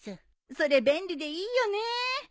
それ便利でいいよね。